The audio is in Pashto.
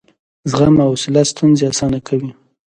زغم او حوصله ستونزې اسانه کوي.